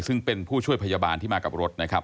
ซึ่งเป็นผู้ช่วยพยาบาลที่มากับรถนะครับ